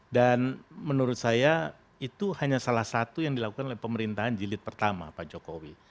dan menurut saya itu hanya salah satu yang dilakukan oleh pemerintahan jilid pertama pak jokowi